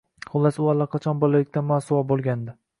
Xullas, u allaqachon bolalikdan mosuvo bo‘lgandi.